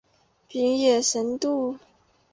平野神社。